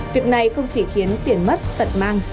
việc này không chỉ khiến tiền mất tận mang